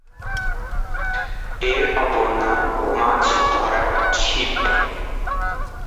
এর অপর নাম মাছ ধরার ছীপ।